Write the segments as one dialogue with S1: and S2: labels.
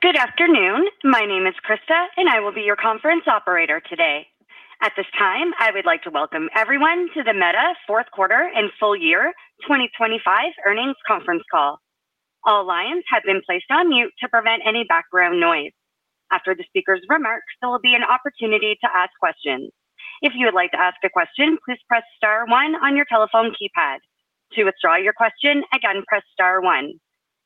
S1: Good afternoon. My name is Krista, and I will be your conference operator today. At this time, I would like to welcome everyone to the Meta Fourth Quarter and Full Year 2025 Earnings Conference Call. All lines have been placed on mute to prevent any background noise. After the speaker's remarks, there will be an opportunity to ask questions. If you would like to ask a question, please press star one on your telephone keypad. To withdraw your question, again, press star one.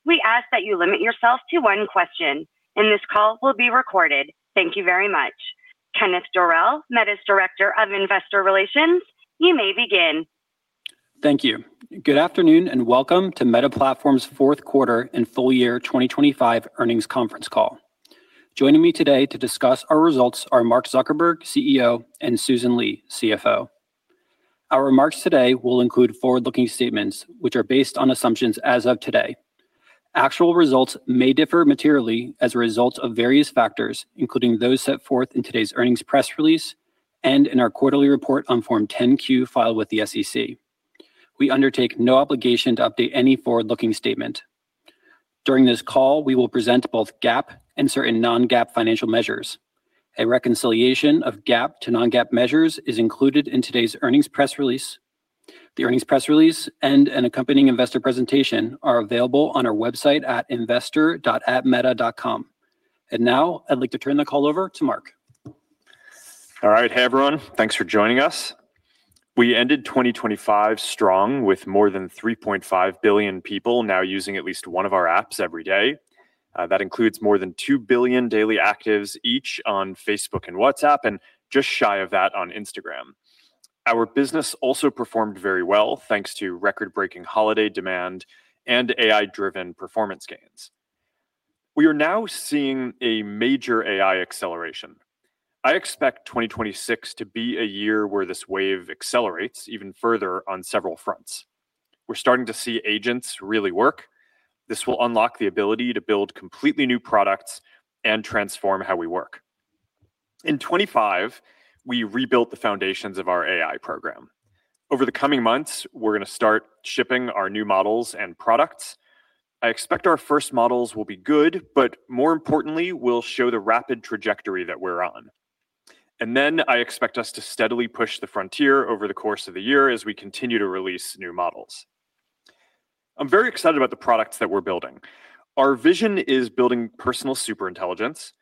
S1: We ask that you limit yourself to one question, and this call will be recorded. Thank you very much. Kenneth Dorell, Meta's Director of Investor Relations, you may begin.
S2: Thank you. Good afternoon, and welcome to Meta Platforms' Fourth Quarter and Full Year 2025 Earnings Conference Call. Joining me today to discuss our results are Mark Zuckerberg, CEO, and Susan Li, CFO. Our remarks today will include forward-looking statements, which are based on assumptions as of today. Actual results may differ materially as a result of various factors, including those set forth in today's earnings press release and in our quarterly report on Form 10-Q filed with the SEC. We undertake no obligation to update any forward-looking statement. During this call, we will present both GAAP and certain non-GAAP financial measures. A reconciliation of GAAP to non-GAAP measures is included in today's earnings press release. The earnings press release and an accompanying investor presentation are available on our website at investor.meta.com. And now I'd like to turn the call over to Mark.
S3: All right. Hey, everyone. Thanks for joining us. We ended 2025 strong, with more than 3.5 billion people now using at least one of our apps every day. That includes more than 2 billion daily actives each on Facebook and WhatsApp, and just shy of that on Instagram. Our business also performed very well, thanks to record-breaking holiday demand and AI-driven performance gains. We are now seeing a major AI acceleration. I expect 2026 to be a year where this wave accelerates even further on several fronts. We're starting to see agents really work. This will unlock the ability to build completely new products and transform how we work. In 2025, we rebuilt the foundations of our AI program. Over the coming months, we're going to start shipping our new models and products. I expect our first models will be good, but more importantly, we'll show the rapid trajectory that we're on. And then I expect us to steadily push the frontier over the course of the year as we continue to release new models. I'm very excited about the products that we're building. Our vision is building personal superintelligence.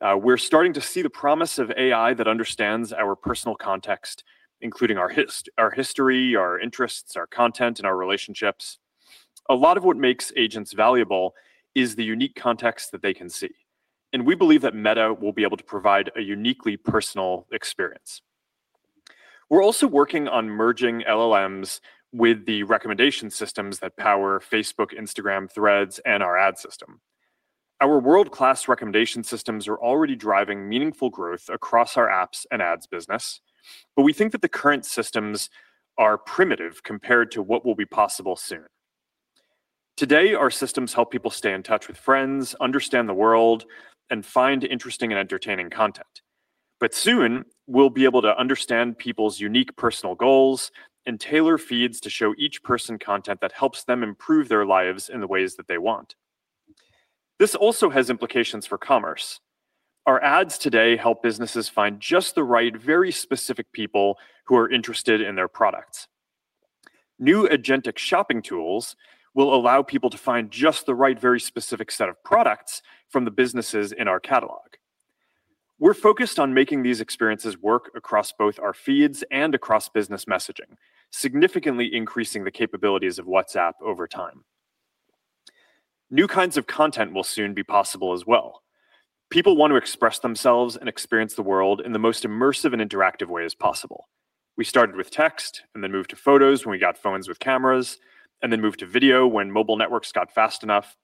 S3: We're starting to see the promise of AI that understands our personal context, including our history, our interests, our content, and our relationships. A lot of what makes agents valuable is the unique context that they can see, and we believe that Meta will be able to provide a uniquely personal experience. We're also working on merging LLMs with the recommendation systems that power Facebook, Instagram, Threads, and our ad system. Our world-class recommendation systems are already driving meaningful growth across our apps and ads business, but we think that the current systems are primitive compared to what will be possible soon. Today, our systems help people stay in touch with friends, understand the world, and find interesting and entertaining content. But soon, we'll be able to understand people's unique personal goals and tailor feeds to show each person content that helps them improve their lives in the ways that they want. This also has implications for commerce. Our ads today help businesses find just the right, very specific people who are interested in their products. New agentic shopping tools will allow people to find just the right, very specific set of products from the businesses in our catalog. We're focused on making these experiences work across both our feeds and across business messaging, significantly increasing the capabilities of WhatsApp over time. New kinds of content will soon be possible as well. People want to express themselves and experience the world in the most immersive and interactive ways possible. We started with text and then moved to photos when we got phones with cameras and then moved to video when mobile networks got fast enough.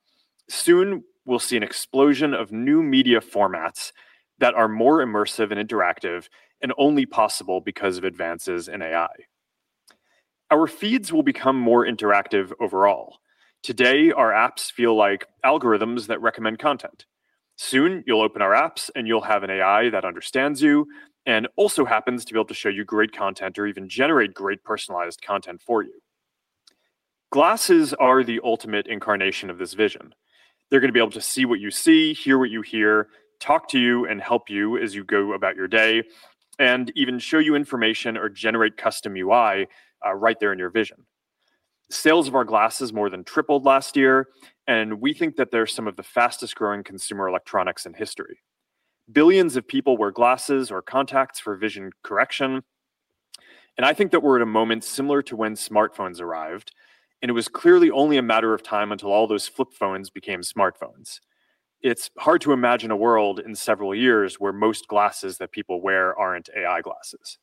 S3: Soon, we'll see an explosion of new media formats that are more immersive and interactive and only possible because of advances in AI. Our feeds will become more interactive overall. Today, our apps feel like algorithms that recommend content. Soon, you'll open our apps, and you'll have an AI that understands you and also happens to be able to show you great content or even generate great personalized content for you. Glasses are the ultimate incarnation of this vision. They're going to be able to see what you see, hear what you hear, talk to you, and help you as you go about your day, and even show you information or generate custom UI, right there in your vision. Sales of our glasses more than tripled last year, and we think that they're some of the fastest-growing consumer electronics in history. Billions of people wear glasses or contacts for vision correction, and I think that we're at a moment similar to when smartphones arrived, and it was clearly only a matter of time until all those flip phones became smartphones. It's hard to imagine a world in several years where most glasses that people wear aren't AI glasses.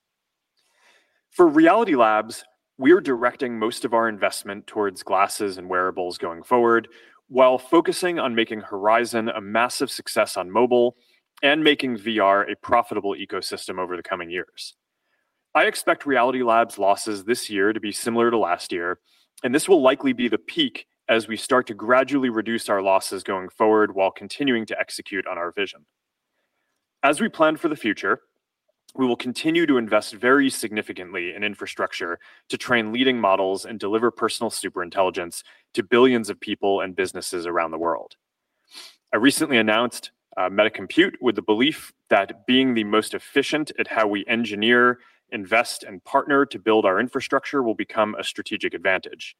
S3: For Reality Labs, we are directing most of our investment towards glasses and wearables going forward, while focusing on making Horizon a massive success on mobile and making VR a profitable ecosystem over the coming years. I expect Reality Labs losses this year to be similar to last year, and this will likely be the peak as we start to gradually reduce our losses going forward while continuing to execute on our vision. As we plan for the future, we will continue to invest very significantly in infrastructure to train leading models and deliver personal superintelligence to billions of people and businesses around the world. I recently announced Meta Compute with the belief that being the most efficient at how we engineer, invest, and partner to build our infrastructure will become a strategic advantage.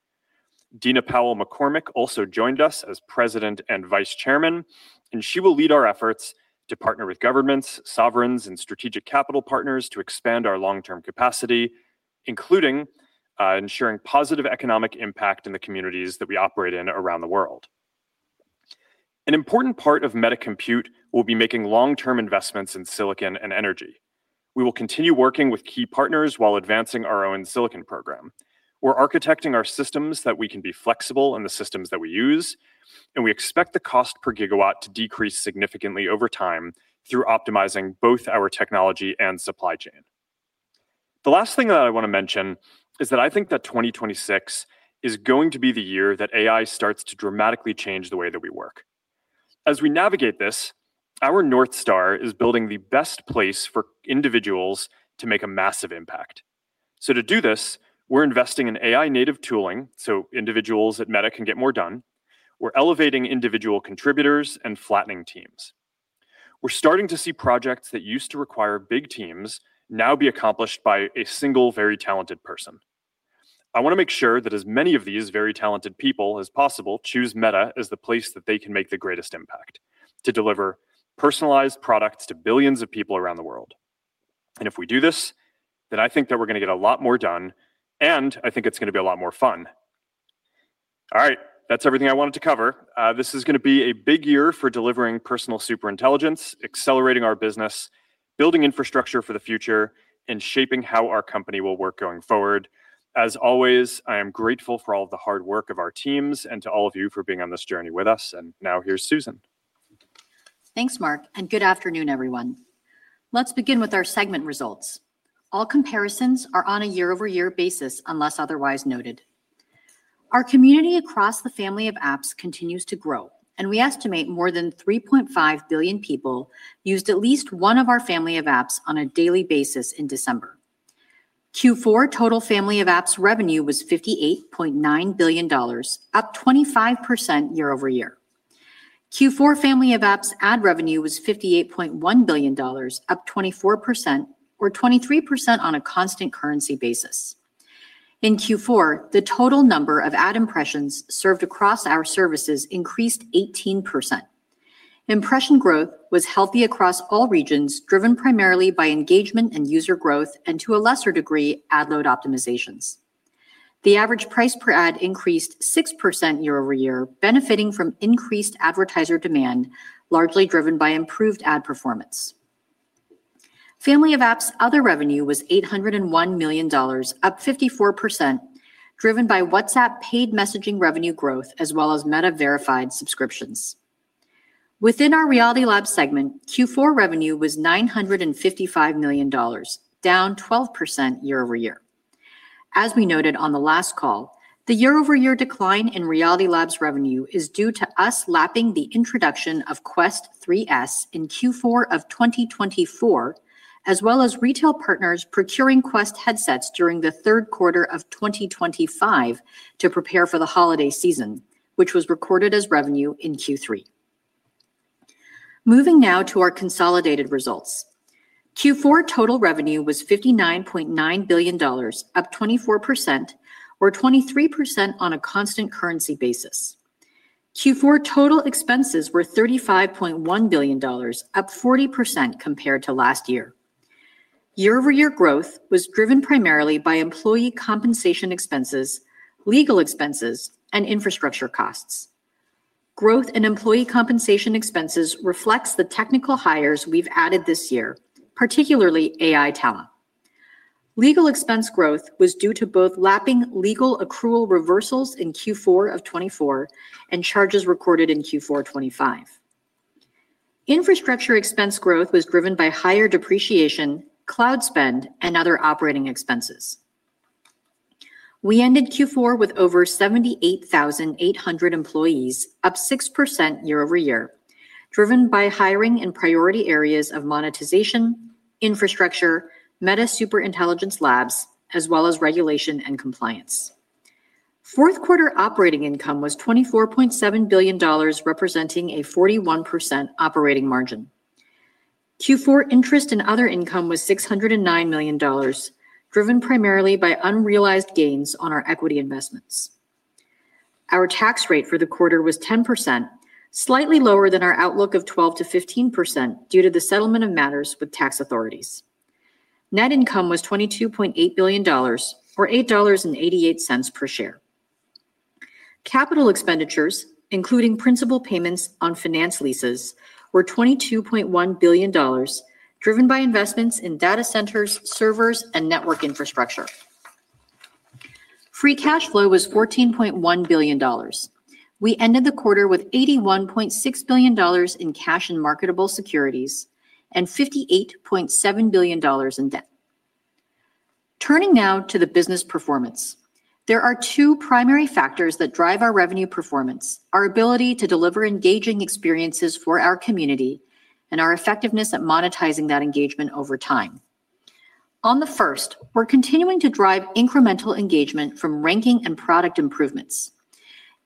S3: Dina Powell McCormick also joined us as President and Vice Chairman, and she will lead our efforts to partner with governments, sovereigns, and strategic capital partners to expand our long-term capacity, including ensuring positive economic impact in the communities that we operate in around the world. An important part of Meta Compute will be making long-term investments in silicon and energy. We will continue working with key partners while advancing our own silicon program. We're architecting our systems that we can be flexible in the systems that we use, and we expect the cost per gigawatt to decrease significantly over time through optimizing both our technology and supply chain. The last thing that I wanna mention is that I think that 2026 is going to be the year that AI starts to dramatically change the way that we work. As we navigate this, our North Star is building the best place for individuals to make a massive impact. So to do this, we're investing in AI-native tooling, so individuals at Meta can get more done. We're elevating individual contributors and flattening teams. We're starting to see projects that used to require big teams now be accomplished by a single, very talented person. I wanna make sure that as many of these very talented people as possible choose Meta as the place that they can make the greatest impact, to deliver personalized products to billions of people around the world. And if we do this, then I think that we're gonna get a lot more done, and I think it's gonna be a lot more fun. All right, that's everything I wanted to cover. This is gonna be a big year for delivering personal superintelligence, accelerating our business, building infrastructure for the future, and shaping how our company will work going forward. As always, I am grateful for all the hard work of our teams and to all of you for being on this journey with us. Now, here's Susan.
S4: Thanks, Mark, and good afternoon, everyone. Let's begin with our segment results. All comparisons are on a year-over-year basis, unless otherwise noted. Our community across the Family of Apps continues to grow, and we estimate more than 3.5 billion people used at least one of our Family of Apps on a daily basis in December. Q4 total Family of Apps revenue was $58.9 billion, up 25% year-over-year. Q4 Family of Apps ad revenue was $58.1 billion, up 24% or 23% on a constant currency basis. In Q4, the total number of ad impressions served across our services increased 18%. Impression growth was healthy across all regions, driven primarily by engagement and user growth and, to a lesser degree, ad load optimizations. The average price per ad increased 6% year-over-year, benefiting from increased advertiser demand, largely driven by improved ad performance. Family of Apps other revenue was $801 million, up 54%, driven by WhatsApp paid messaging revenue growth, as well as Meta Verified subscriptions. Within our Reality Labs segment, Q4 revenue was $955 million, down 12% year-over-year. As we noted on the last call, the year-over-year decline in Reality Labs revenue is due to us lapping the introduction of Quest 3S in Q4 of 2024, as well as retail partners procuring Quest headsets during the third quarter of 2025 to prepare for the holiday season, which was recorded as revenue in Q3. Moving now to our consolidated results. Q4 total revenue was $59.9 billion, up 24% or 23% on a constant currency basis. Q4 total expenses were $35.1 billion, up 40% compared to last year. Year-over-year growth was driven primarily by employee compensation expenses, legal expenses, and infrastructure costs. Growth in employee compensation expenses reflects the technical hires we've added this year, particularly AI talent. Legal expense growth was due to both lapping legal accrual reversals in Q4 of 2024 and charges recorded in Q4 2025. Infrastructure expense growth was driven by higher depreciation, cloud spend, and other operating expenses. We ended Q4 with over 78,800 employees, up 6% year-over-year, driven by hiring in priority areas of monetization, infrastructure, Meta Superintelligence Labs, as well as regulation and compliance. Fourth quarter operating income was $24.7 billion, representing a 41% operating margin. Q4 interest and other income was $609 million, driven primarily by unrealized gains on our equity investments. Our tax rate for the quarter was 10%, slightly lower than our outlook of 12%-15% due to the settlement of matters with tax authorities. Net income was $22.8 billion or $8.88 per share. Capital expenditures, including principal payments on finance leases, were $22.1 billion, driven by investments in data centers, servers, and network infrastructure. Free cash flow was $14.1 billion. We ended the quarter with $81.6 billion in cash and marketable securities and $58.7 billion in debt. Turning now to the business performance. There are two primary factors that drive our revenue performance: our ability to deliver engaging experiences for our community and our effectiveness at monetizing that engagement over time. On the first, we're continuing to drive incremental engagement from ranking and product improvements.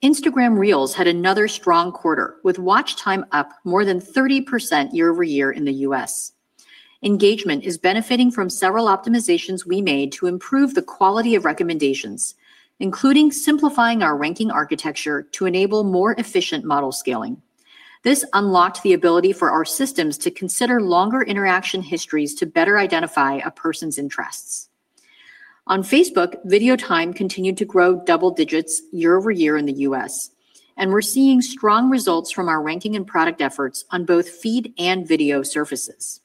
S4: Instagram Reels had another strong quarter, with watch time up more than 30% year-over-year in the U.S. Engagement is benefiting from several optimizations we made to improve the quality of recommendations, including simplifying our ranking architecture to enable more efficient model scaling. This unlocked the ability for our systems to consider longer interaction histories to better identify a person's interests. On Facebook, video time continued to grow double digits year-over-year in the U.S., and we're seeing strong results from our ranking and product efforts on both feed and video surfaces.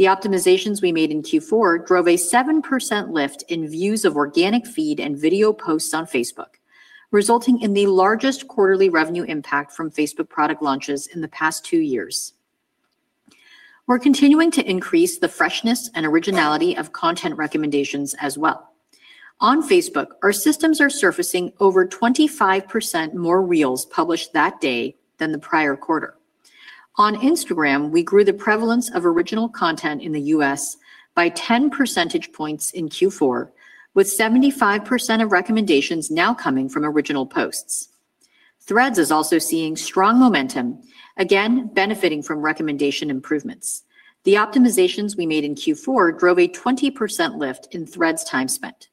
S4: The optimizations we made in Q4 drove a 7% lift in views of organic feed and video posts on Facebook, resulting in the largest quarterly revenue impact from Facebook product launches in the past two years. We're continuing to increase the freshness and originality of content recommendations as well. On Facebook, our systems are surfacing over 25% more Reels published that day than the prior quarter. On Instagram, we grew the prevalence of original content in the U.S. by 10 percentage points in Q4, with 75% of recommendations now coming from original posts. Threads is also seeing strong momentum, again, benefiting from recommendation improvements. The optimizations we made in Q4 drove a 20% lift in Threads time spent.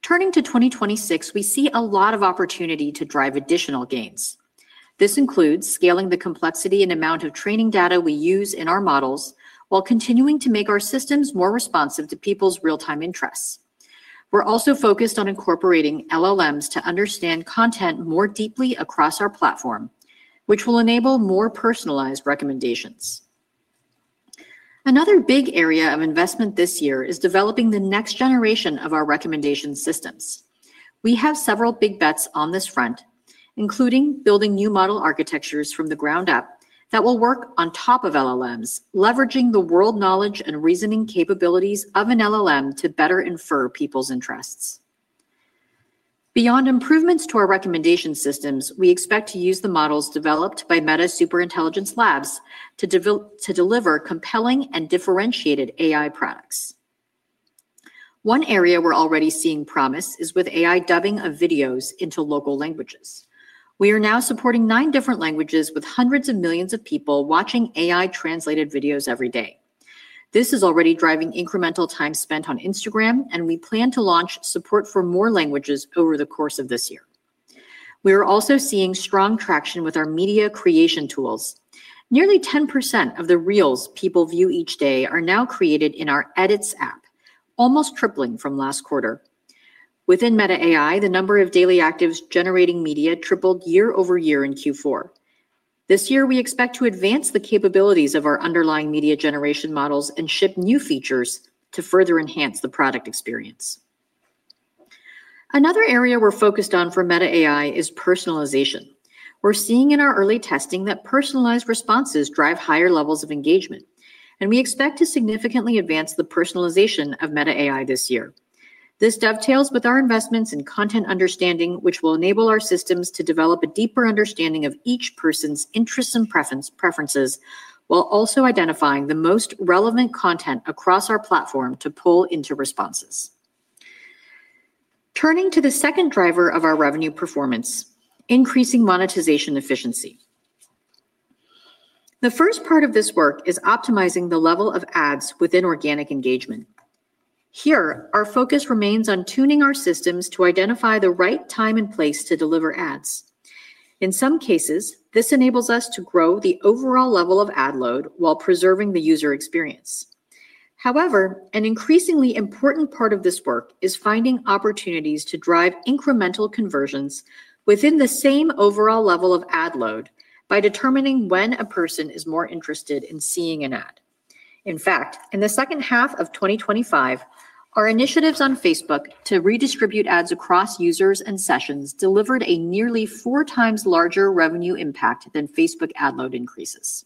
S4: Turning to 2026, we see a lot of opportunity to drive additional gains. This includes scaling the complexity and amount of training data we use in our models, while continuing to make our systems more responsive to people's real-time interests. We're also focused on incorporating LLMs to understand content more deeply across our platform, which will enable more personalized recommendations. Another big area of investment this year is developing the next generation of our recommendation systems. We have several big bets on this front, including building new model architectures from the ground up that will work on top of LLMs, leveraging the world knowledge and reasoning capabilities of an LLM to better infer people's interests. Beyond improvements to our recommendation systems, we expect to use the models developed by Meta Superintelligence Labs to deliver compelling and differentiated AI products. One area we're already seeing promise is with AI dubbing of videos into local languages. We are now supporting nine different languages, with hundreds of millions of people watching AI-translated videos every day. This is already driving incremental time spent on Instagram, and we plan to launch support for more languages over the course of this year. We are also seeing strong traction with our media creation tools. Nearly 10% of the Reels people view each day are now created in our Edits app, almost tripling from last quarter. Within Meta AI, the number of daily actives generating media tripled year-over-year in Q4. This year, we expect to advance the capabilities of our underlying media generation models and ship new features to further enhance the product experience. Another area we're focused on for Meta AI is personalization. We're seeing in our early testing that personalized responses drive higher levels of engagement, and we expect to significantly advance the personalization of Meta AI this year. This dovetails with our investments in content understanding, which will enable our systems to develop a deeper understanding of each person's interests and preference, preferences, while also identifying the most relevant content across our platform to pull into responses. Turning to the second driver of our revenue performance, increasing monetization efficiency. The first part of this work is optimizing the level of ads within organic engagement. Here, our focus remains on tuning our systems to identify the right time and place to deliver ads. In some cases, this enables us to grow the overall level of ad load while preserving the user experience. However, an increasingly important part of this work is finding opportunities to drive incremental conversions within the same overall level of ad load by determining when a person is more interested in seeing an ad. In fact, in the second half of 2025, our initiatives on Facebook to redistribute ads across users and sessions delivered a nearly four times larger revenue impact than Facebook ad load increases.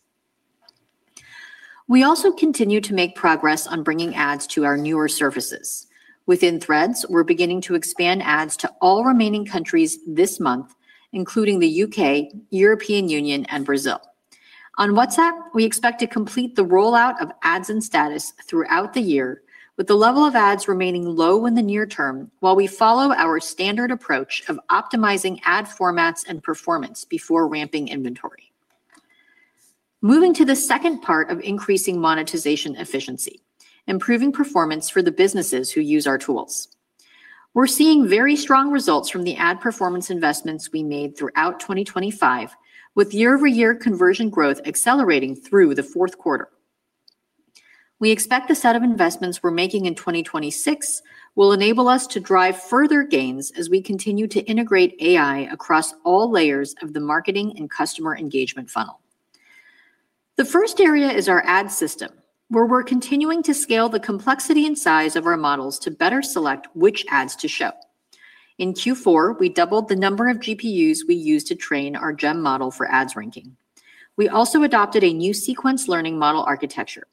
S4: We also continue to make progress on bringing ads to our newer services. Within Threads, we're beginning to expand ads to all remaining countries this month, including the U.K., European Union, and Brazil. On WhatsApp, we expect to complete the rollout of ads in Status throughout the year, with the level of ads remaining low in the near term while we follow our standard approach of optimizing ad formats and performance before ramping inventory. Moving to the second part of increasing monetization efficiency, improving performance for the businesses who use our tools. We're seeing very strong results from the ad performance investments we made throughout 2025, with year-over-year conversion growth accelerating through the fourth quarter. We expect the set of investments we're making in 2026 will enable us to drive further gains as we continue to integrate AI across all layers of the marketing and customer engagement funnel. The first area is our ad system, where we're continuing to scale the complexity and size of our models to better select which ads to show. In Q4, we doubled the number of GPUs we use to train our GEM model for ads ranking. We also adopted a new sequence learning model architecture,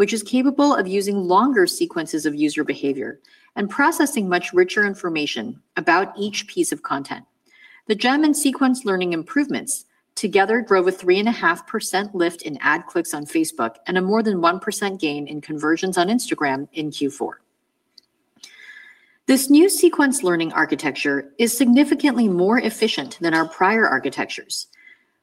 S4: which is capable of using longer sequences of user behavior and processing much richer information about each piece of content. The GEM and sequence learning improvements together drove a 3.5% lift in ad clicks on Facebook, and a more than 1% gain in conversions on Instagram in Q4. This new sequence learning architecture is significantly more efficient than our prior architectures,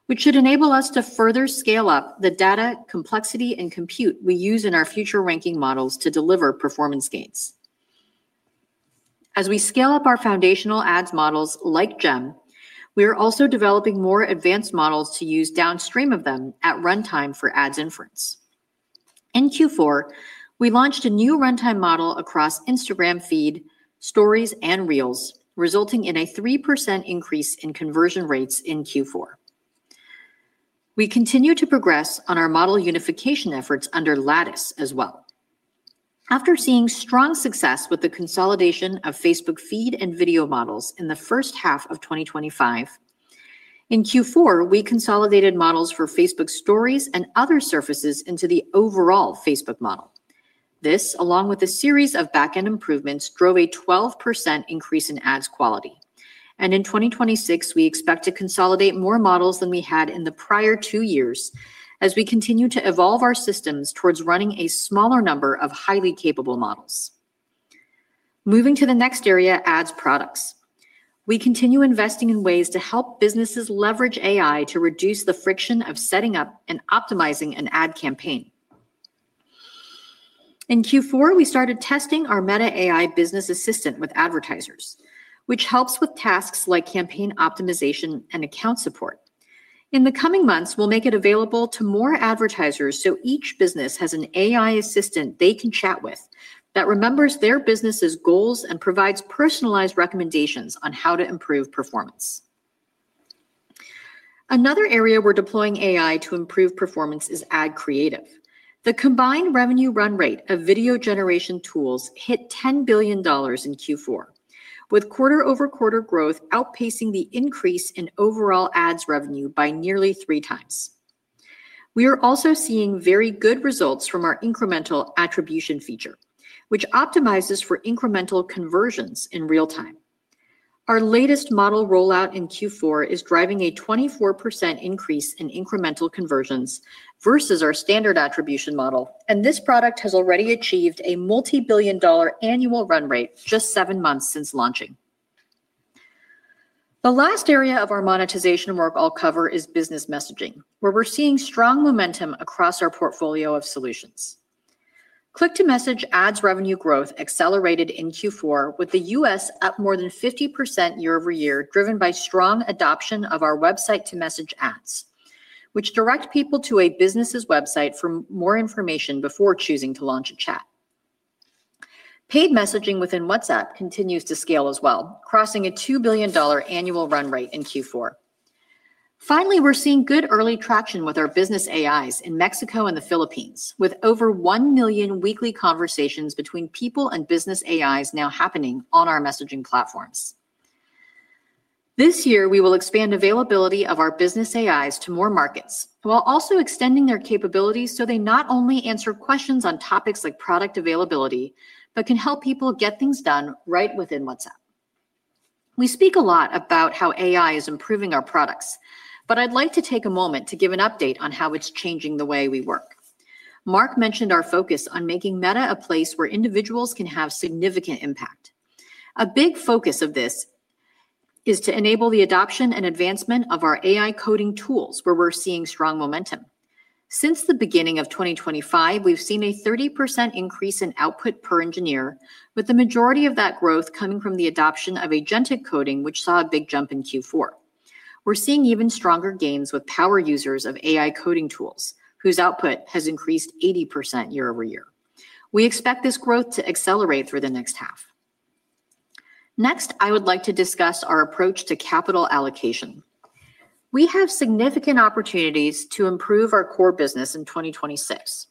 S4: which should enable us to further scale up the data, complexity, and compute we use in our future ranking models to deliver performance gains. As we scale up our foundational ads models like GEM, we are also developing more advanced models to use downstream of them at runtime for ads inference. In Q4, we launched a new runtime model across Instagram Feed, Stories, and Reels, resulting in a 3% increase in conversion rates in Q4. We continue to progress on our model unification efforts under Lattice as well. After seeing strong success with the consolidation of Facebook Feed and video models in the first half of 2025, in Q4, we consolidated models for Facebook Stories and other surfaces into the overall Facebook model. This, along with a series of back-end improvements, drove a 12% increase in ads quality. In 2026, we expect to consolidate more models than we had in the prior two years as we continue to evolve our systems towards running a smaller number of highly capable models. Moving to the next area, ads products. We continue investing in ways to help businesses leverage AI to reduce the friction of setting up and optimizing an ad campaign. In Q4, we started testing our Meta AI business assistant with advertisers, which helps with tasks like campaign optimization and account support. In the coming months, we'll make it available to more advertisers, so each business has an AI assistant they can chat with that remembers their business's goals and provides personalized recommendations on how to improve performance. Another area we're deploying AI to improve performance is ad creative. The combined revenue run rate of video generation tools hit $10 billion in Q4, with quarter-over-quarter growth outpacing the increase in overall ads revenue by nearly three times. We are also seeing very good results from our incremental attribution feature, which optimizes for incremental conversions in real time. Our latest model rollout in Q4 is driving a 24% increase in incremental conversions versus our standard attribution model, and this product has already achieved a multi-billion dollar annual run rate just seven months since launching. The last area of our monetization work I'll cover is business messaging, where we're seeing strong momentum across our portfolio of solutions. Click-to-Message ads revenue growth accelerated in Q4, with the U.S. up more than 50% year-over-year, driven by strong adoption of our website-to-message ads, which direct people to a business's website for more information before choosing to launch a chat. Paid messaging within WhatsApp continues to scale as well, crossing a $2 billion annual run rate in Q4. Finally, we're seeing good early traction with our business AIs in Mexico and the Philippines, with over one million weekly conversations between people and business AIs now happening on our messaging platforms. This year, we will expand availability of our business AIs to more markets, while also extending their capabilities, so they not only answer questions on topics like product availability, but can help people get things done right within WhatsApp. We speak a lot about how AI is improving our products, but I'd like to take a moment to give an update on how it's changing the way we work. Mark mentioned our focus on making Meta a place where individuals can have significant impact. A big focus of this is to enable the adoption and advancement of our AI coding tools, where we're seeing strong momentum. Since the beginning of 2025, we've seen a 30% increase in output per engineer, with the majority of that growth coming from the adoption of agentic coding, which saw a big jump in Q4. We're seeing even stronger gains with power users of AI coding tools, whose output has increased 80% year-over-year. We expect this growth to accelerate through the next half. Next, I would like to discuss our approach to capital allocation. We have significant opportunities to improve our core business in 2026.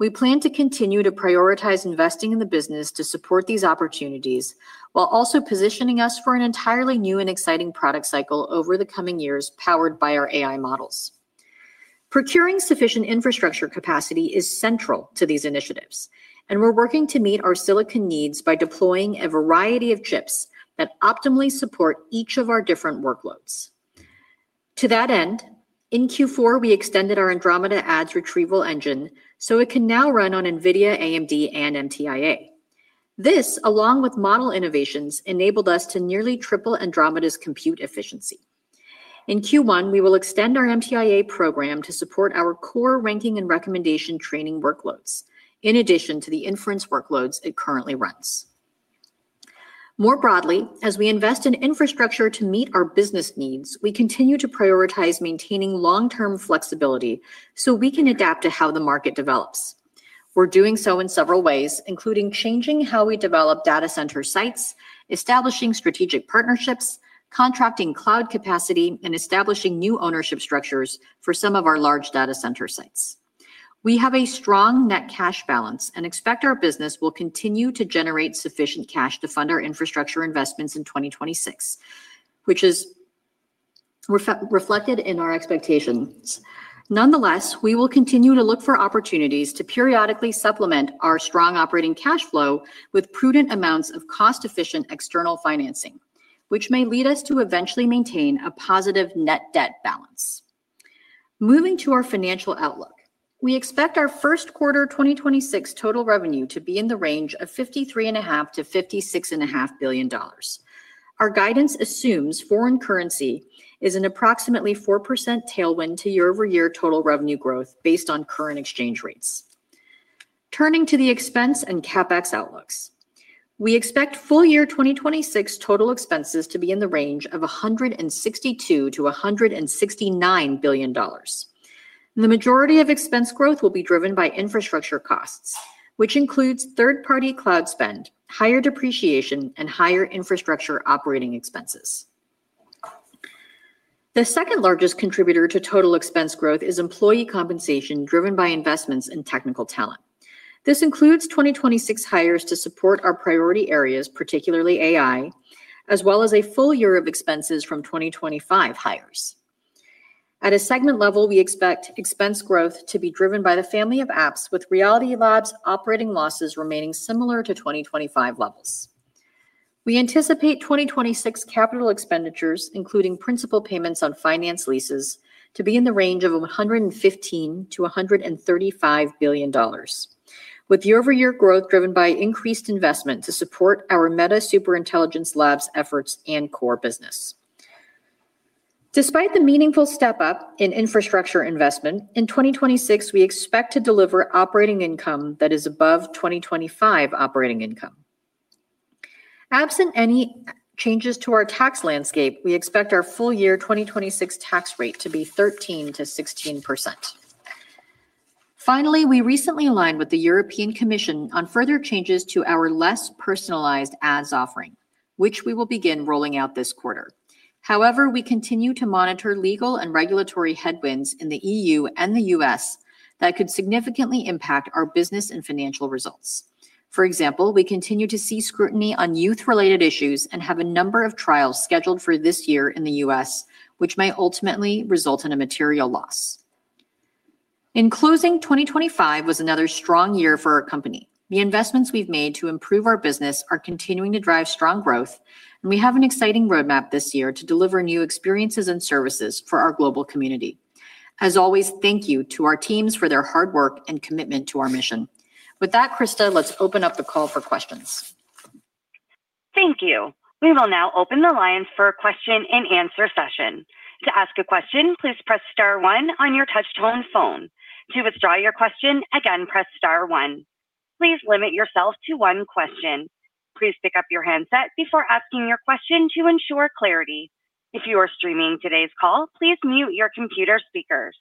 S4: We plan to continue to prioritize investing in the business to support these opportunities, while also positioning us for an entirely new and exciting product cycle over the coming years, powered by our AI models. Procuring sufficient infrastructure capacity is central to these initiatives, and we're working to meet our silicon needs by deploying a variety of chips that optimally support each of our different workloads. To that end, in Q4, we extended our Andromeda ads retrieval engine, so it can now run on NVIDIA, AMD, and MTIA. This, along with model innovations, enabled us to nearly triple Andromeda's compute efficiency. In Q1, we will extend our MTIA program to support our core ranking and recommendation training workloads, in addition to the inference workloads it currently runs. More broadly, as we invest in infrastructure to meet our business needs, we continue to prioritize maintaining long-term flexibility, so we can adapt to how the market develops. We're doing so in several ways, including changing how we develop data center sites, establishing strategic partnerships, contracting cloud capacity, and establishing new ownership structures for some of our large data center sites. We have a strong net cash balance and expect our business will continue to generate sufficient cash to fund our infrastructure investments in 2026, which is reflected in our expectations. Nonetheless, we will continue to look for opportunities to periodically supplement our strong operating cash flow with prudent amounts of cost-efficient external financing, which may lead us to eventually maintain a positive net debt balance. Moving to our financial outlook, we expect our first quarter 2026 total revenue to be in the range of $53.5 billion-$56.5 billion. Our guidance assumes foreign currency is an approximately 4% tailwind to year-over-year total revenue growth based on current exchange rates. Turning to the expense and CapEx outlooks, we expect full year 2026 total expenses to be in the range of $162 billion-$169 billion. The majority of expense growth will be driven by infrastructure costs, which includes third-party cloud spend, higher depreciation, and higher infrastructure operating expenses. The second-largest contributor to total expense growth is employee compensation, driven by investments in technical talent. This includes 2026 hires to support our priority areas, particularly AI, as well as a full year of expenses from 2025 hires. At a segment level, we expect expense growth to be driven by the Family of Apps, with Reality Labs' operating losses remaining similar to 2025 levels. We anticipate 2026 capital expenditures, including principal payments on finance leases, to be in the range of $115 billion-$135 billion, with year-over-year growth driven by increased investment to support our Meta Superintelligence Labs efforts and core business. Despite the meaningful step up in infrastructure investment, in 2026, we expect to deliver operating income that is above 2025 operating income. Absent any changes to our tax landscape, we expect our full year 2026 tax rate to be 13%-16%. Finally, we recently aligned with the European Commission on further changes to our less personalized ads offering, which we will begin rolling out this quarter. However, we continue to monitor legal and regulatory headwinds in the E.U. and the U.S. that could significantly impact our business and financial results. For example, we continue to see scrutiny on youth-related issues and have a number of trials scheduled for this year in the U.S., which may ultimately result in a material loss. In closing, 2025 was another strong year for our company. The investments we've made to improve our business are continuing to drive strong growth, and we have an exciting roadmap this year to deliver new experiences and services for our global community. As always, thank you to our teams for their hard work and commitment to our mission. With that, Krista, let's open up the call for questions.
S1: Thank you. We will now open the lines for a question-and-answer session. To ask a question, please press star one on your touchtone phone. To withdraw your question, again, press star one. Please limit yourself to one question. Please pick up your handset before asking your question to ensure clarity. If you are streaming today's call, please mute your computer speakers.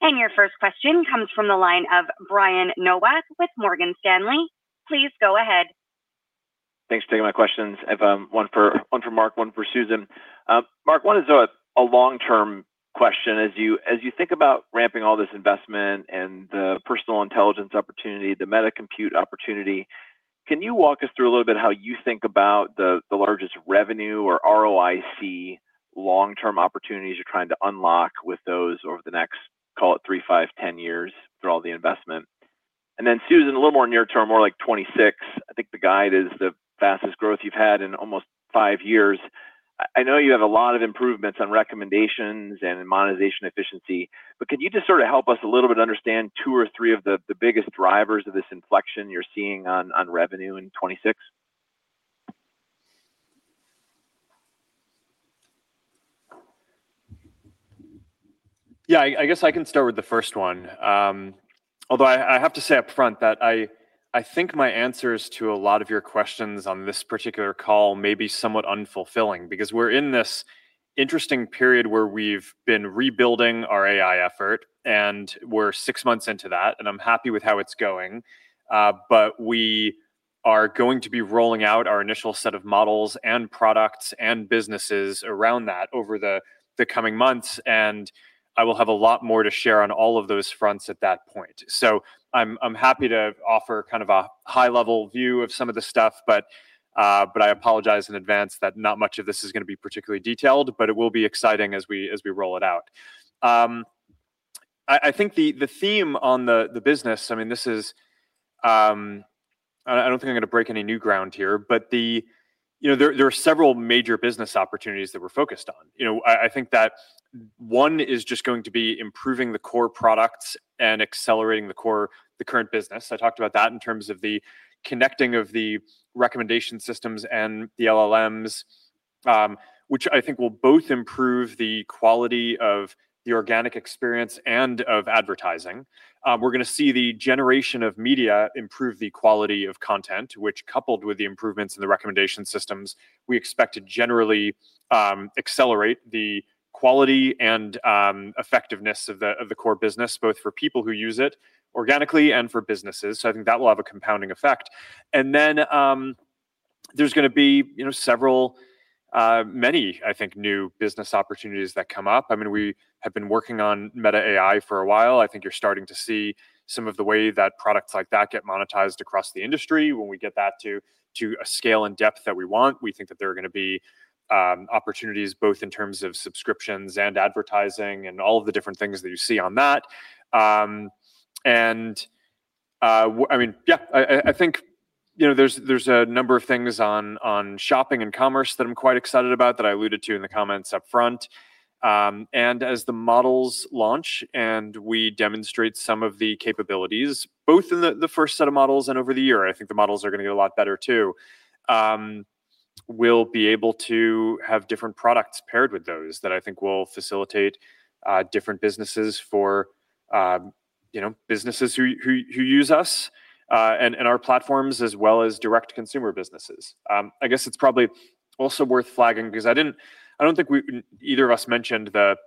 S1: Your first question comes from the line of Brian Nowak with Morgan Stanley. Please go ahead.
S5: Thanks for taking my questions. I've one for Mark, one for Susan. Mark, one is a long-term question. As you think about ramping all this investment and the personal intelligence opportunity, the Meta Compute opportunity, can you walk us through a little bit how you think about the largest revenue or ROIC long-term opportunities you're trying to unlock with those over the next, call it three, five, 10 years through all the investment? And then, Susan, a little more near term, more like 2026. I think the guide is the fastest growth you've had in almost five years. I know you have a lot of improvements on recommendations and in monetization efficiency, but can you just sort of help us a little bit understand two or three of the biggest drivers of this inflection you're seeing on revenue in 2026?
S3: Yeah, I guess I can start with the first one. Although I have to say up front that I think my answers to a lot of your questions on this particular call may be somewhat unfulfilling because we're in this interesting period where we've been rebuilding our AI effort, and we're six months into that, and I'm happy with how it's going. But we are going to be rolling out our initial set of models and products and businesses around that over the coming months, and I will have a lot more to share on all of those fronts at that point. So I'm happy to offer kind of a high-level view of some of the stuff, but, but I apologize in advance that not much of this is going to be particularly detailed, but it will be exciting as we roll it out. I think the theme on the business, I mean, this is... I don't think I'm going to break any new ground here, but you know, there are several major business opportunities that we're focused on. You know, I think that one is just going to be improving the core products and accelerating the core, the current business. I talked about that in terms of the connecting of the recommendation systems and the LLMs, which I think will both improve the quality of the organic experience and of advertising. We're going to see the generation of media improve the quality of content, which, coupled with the improvements in the recommendation systems, we expect to generally accelerate the quality and effectiveness of the core business, both for people who use it organically and for businesses. So I think that will have a compounding effect. And then, there's gonna be, you know, several many, I think, new business opportunities that come up. I mean, we have been working on Meta AI for a while. I think you're starting to see some of the way that products like that get monetized across the industry. When we get that to a scale and depth that we want, we think that there are gonna be opportunities both in terms of subscriptions and advertising and all of the different things that you see on that. I mean, yeah, I think, you know, there's a number of things on shopping and commerce that I'm quite excited about that I alluded to in the comments up front. And as the models launch and we demonstrate some of the capabilities, both in the first set of models and over the year, I think the models are gonna get a lot better too. We'll be able to have different products paired with those that I think will facilitate different businesses for, you know, businesses who use us and our platforms, as well as direct-to-consumer businesses. I guess it's probably also worth flagging because I don't think we, either of us, mentioned the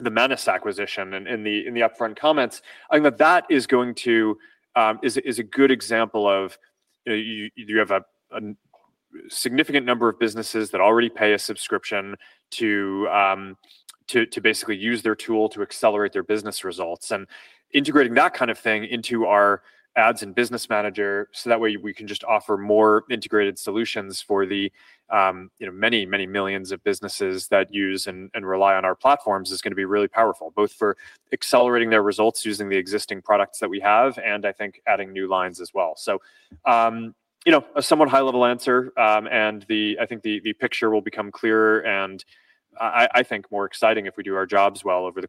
S3: Manus acquisition in the upfront comments. I think that is going to be a good example of a significant number of businesses that already pay a subscription to basically use their tool to accelerate their business results. Integrating that kind of thing into our Ads and Business Manager, so that way we can just offer more integrated solutions for the, you know, many, many millions of businesses that use and rely on our platforms, is gonna be really powerful, both for accelerating their results using the existing products that we have, and I think adding new lines as well. You know, a somewhat high-level answer, and I think the picture will become clearer and I think more exciting if we do our jobs well over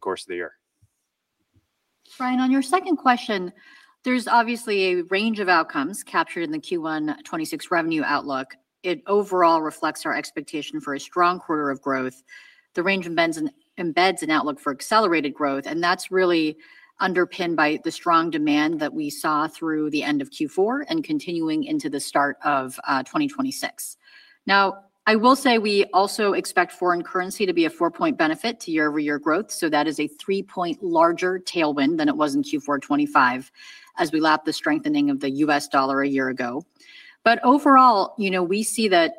S3: the course of the year.
S4: Brian, on your second question, there's obviously a range of outcomes captured in the Q1 2026 revenue outlook. It overall reflects our expectation for a strong quarter of growth. The range embeds an outlook for accelerated growth, and that's really underpinned by the strong demand that we saw through the end of Q4 and continuing into the start of 2026. Now, I will say we also expect foreign currency to be a 4-point benefit to year-over-year growth, so that is a three-point larger tailwind than it was in Q4 2025, as we lap the strengthening of the U.S. dollar a year ago. But overall, you know, we see that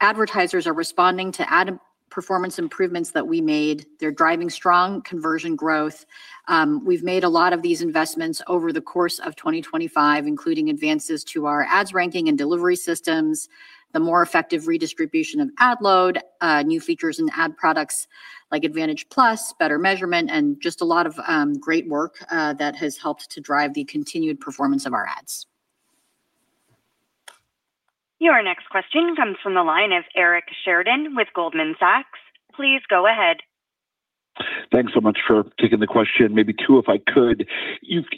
S4: advertisers are responding to ad performance improvements that we made. They're driving strong conversion growth. We've made a lot of these investments over the course of 2025, including advances to our ads ranking and delivery systems, the more effective redistribution of ad load, new features and ad products like Advantage+, better measurement, and just a lot of great work that has helped to drive the continued performance of our ads.
S1: Your next question comes from the line of Eric Sheridan with Goldman Sachs. Please go ahead.
S6: Thanks so much for taking the question. Maybe two, if I could.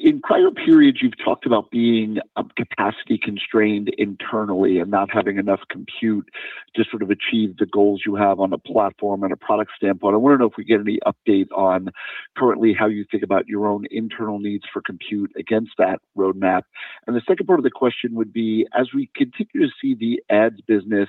S6: In prior periods, you've talked about being capacity constrained internally and not having enough compute to sort of achieve the goals you have on a platform and a product standpoint. I wanna know if we get any update on currently how you think about your own internal needs for compute against that roadmap. And the second part of the question would be: as we continue to see the ads business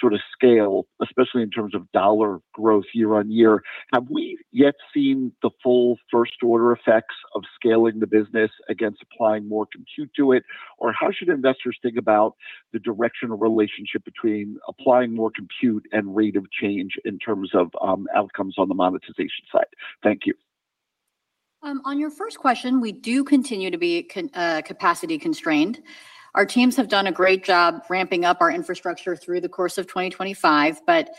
S6: sorta scale, especially in terms of dollar growth year-over-year, have we yet seen the full first order effects of scaling the business against applying more compute to it? Or how should investors think about the directional relationship between applying more compute and rate of change in terms of outcomes on the monetization side? Thank you.
S4: On your first question, we do continue to be capacity constrained. Our teams have done a great job ramping up our infrastructure through the course of 2025, but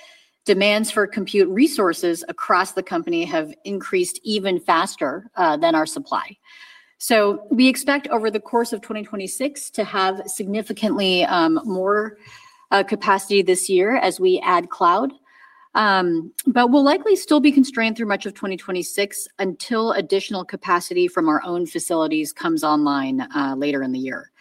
S4: demands for compute resources across the company have increased even faster than our supply. So we expect over the course of 2026 to have significantly more capacity this year as we add cloud. But we'll likely still be constrained through much of 2026 until additional capacity from our own facilities comes online later in the year.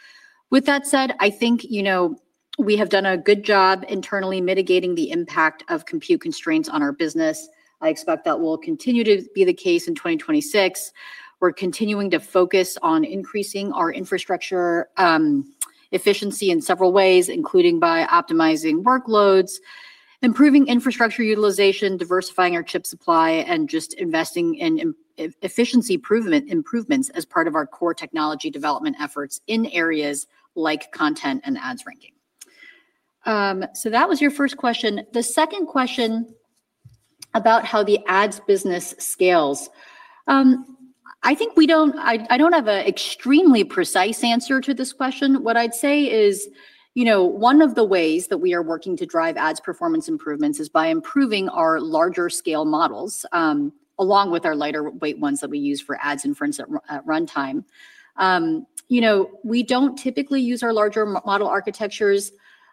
S4: With that said, I think, you know, we have done a good job internally mitigating the impact of compute constraints on our business. I expect that will continue to be the case in 2026. We're continuing to focus on increasing our infrastructure efficiency in several ways, including by optimizing workloads, improving infrastructure utilization, diversifying our chip supply, and just investing in efficiency improvements as part of our core technology development efforts in areas like content and ads ranking. So that was your first question. The second question about how the ads business scales. I think I don't have an extremely precise answer to this question. What I'd say is, you know, one of the ways that we are working to drive ads performance improvements is by improving our larger scale models, along with our lighter weight ones that we use for ads inference at runtime. You know, we don't typically use our larger model architectures,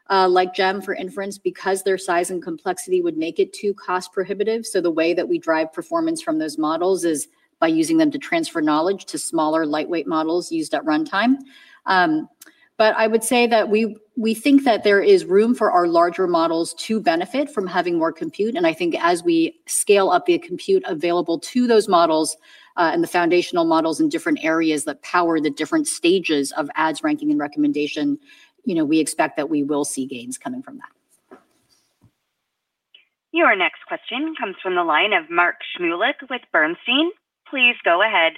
S4: like GEM for inference because their size and complexity would make it too cost prohibitive. So the way that we drive performance from those models is by using them to transfer knowledge to smaller, lightweight models used at runtime. But I would say that we think that there is room for our larger models to benefit from having more compute. And I think as we scale up the compute available to those models, and the foundational models in different areas that power the different stages of ads ranking and recommendation, you know, we expect that we will see gains coming from that.
S1: Your next question comes from the line of Mark Shmulik with Bernstein. Please go ahead.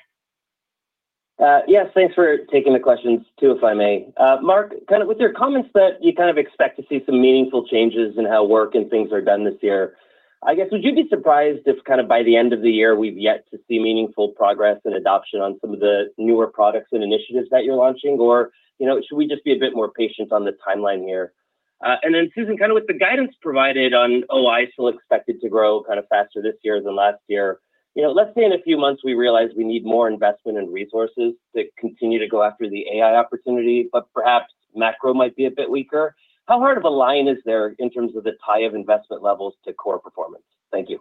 S7: Yes, thanks for taking the questions, too, if I may. Mark, kind of with your comments that you kind of expect to see some meaningful changes in how work and things are done this year, I guess, would you be surprised if kind of by the end of the year, we've yet to see meaningful progress and adoption on some of the newer products and initiatives that you're launching? Or, you know, should we just be a bit more patient on the timeline here? And then, Susan, kind of with the guidance provided on OI still expected to grow kind of faster this year than last year, you know, let's say in a few months, we realize we need more investment and resources to continue to go after the AI opportunity, but perhaps macro might be a bit weaker. How hard of a line is there in terms of the tie of investment levels to core performance? Thank you.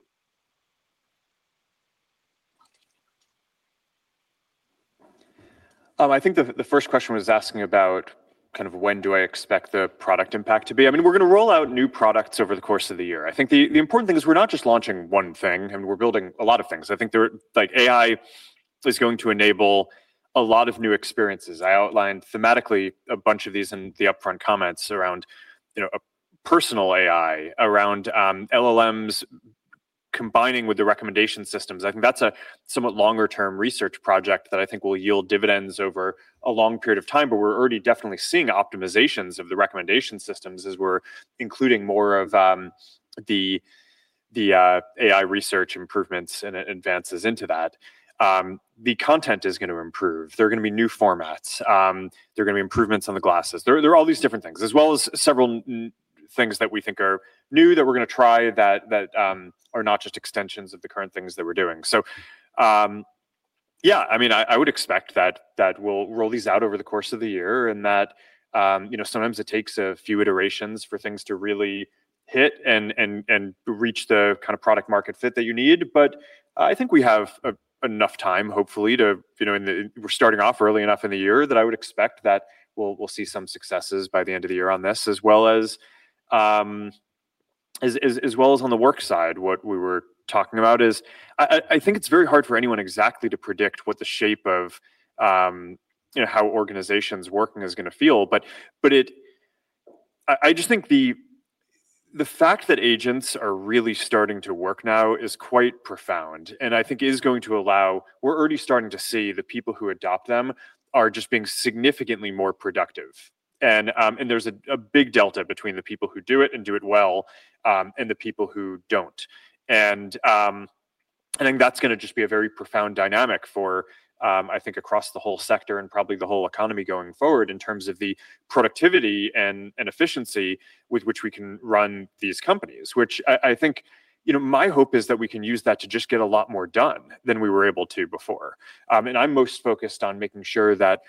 S3: I think the first question was asking about kind of when do I expect the product impact to be? I mean, we're going to roll out new products over the course of the year. I think the important thing is we're not just launching one thing and we're building a lot of things. I think there—like, AI is going to enable a lot of new experiences. I outlined thematically a bunch of these in the upfront comments around, you know, a personal AI, around, LLMs combining with the recommendation systems. I think that's a somewhat longer-term research project that I think will yield dividends over a long period of time, but we're already definitely seeing optimizations of the recommendation systems as we're including more of the AI research improvements and advances into that. The content is going to improve. There are going to be new formats. There are going to be improvements on the glasses. There are all these different things, as well as several new things that we think are new, that we're going to try that are not just extensions of the current things that we're doing. Yeah, I mean, I would expect that we'll roll these out over the course of the year and that you know, sometimes it takes a few iterations for things to really hit and reach the kind of product market fit that you need. But I think we have enough time, hopefully, to, you know, in the-- we're starting off early enough in the year, that I would expect that we'll see some successes by the end of the year on this, as well as on the work side. What we were talking about is I think it's very hard for anyone exactly to predict what the shape of, you know, how organizations working is going to feel. But it... I just think the fact that agents are really starting to work now is quite profound, and I think is going to allow-- we're already starting to see the people who adopt them are just being significantly more productive. There's a big delta between the people who do it and do it well, and the people who don't. I think that's going to just be a very profound dynamic for, I think, across the whole sector and probably the whole economy going forward in terms of the productivity and efficiency with which we can run these companies, which I think, you know, my hope is that we can use that to just get a lot more done than we were able to before. I'm most focused on making sure that